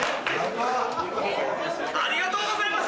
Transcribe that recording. ありがとうございます！